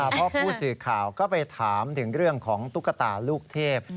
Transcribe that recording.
เพราะผู้สื่อข่าวก็ไปถามถึงเรื่องของตุ๊กตาลูกเทพ